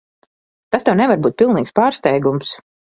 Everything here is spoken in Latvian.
Tas tev nevar būt pilnīgs pārsteigums.